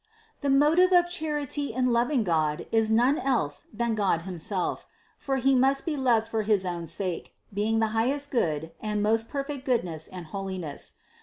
The motive of char ity in loving God is none else than God Himself ; for He must be loved for his own sake, being the highest Good and most perfect goodness and holiness.